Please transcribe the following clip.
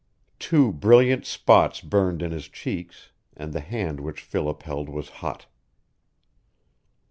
Two brilliant spots burned in his cheeks, and the hand which Philip held was hot.